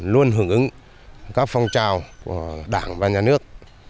luôn hưởng ứng các phong trào của đảng và nhà nước